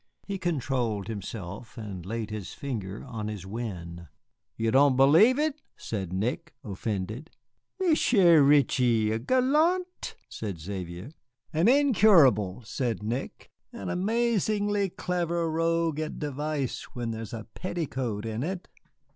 He controlled himself and laid his finger on his wen. "You don't believe it," said Nick, offended. "Michié Reetchie a gallant!" said Xavier. "An incurable," said Nick, "an amazingly clever rogue at device when there is a petticoat in it.